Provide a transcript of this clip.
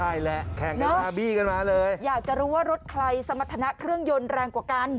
ใช่แหละแข่งกับบาร์บี้กันมาเลยอยากจะรู้ว่ารถใครสมรรถนะเครื่องยนต์แรงกว่ากัน